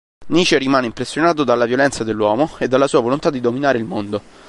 Nietzsche rimane impressionato dalla violenza dell'uomo e dalla sua volontà di dominare il mondo.